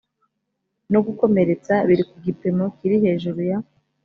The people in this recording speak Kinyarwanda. no gukomeretsa biri ku gipimo kiri hejuru ya